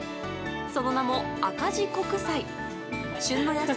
その名も赤字穀菜。